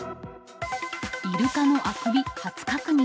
イルカのあくび、初確認。